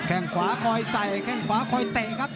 แค่งขวาคอยใส่แข้งขวาคอยเตะครับ